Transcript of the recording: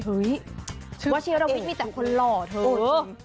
เอ้ยเห้ยวัชิรวิทหล่อเท่า